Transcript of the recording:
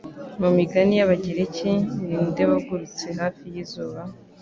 Mu migani y'Abagereki, ninde wagurutse hafi y'izuba?